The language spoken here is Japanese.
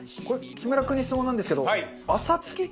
これ木村君に質問なんですけど。